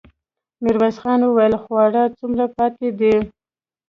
ميرويس خان وويل: خواړه څومره پاتې دي؟